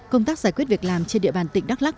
công tác giải quyết việc làm trên địa bàn tỉnh đắk lắc